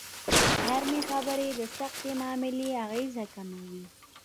نرمې خبرې د سختې معاملې اغېز کموي.